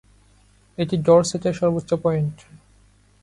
এটি ডরসেটের সর্বোচ্চ পয়েন্ট।